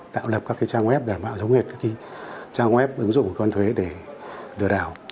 tạo lập các trang web giả mạo giống như trang web ứng dụng của cộng đồng thuế để lừa đảo